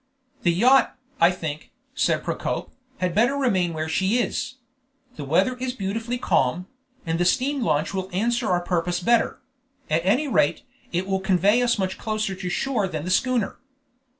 "The yacht, I think," said Procope, "had better remain where she is; the weather is beautifully calm, and the steam launch will answer our purpose better; at any rate, it will convey us much closer to shore than the schooner."